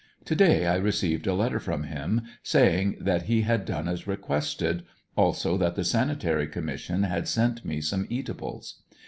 To day I received a letter from him saying that he had done as requested, also that the Sanitary Commission had sent me some eatables.